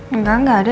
enggak enggak ada